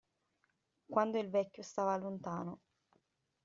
Quando il vecchio stava lontano.